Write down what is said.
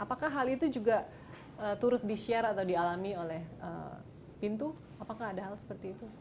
apakah hal itu juga turut di share atau dialami oleh pintu apakah ada hal seperti itu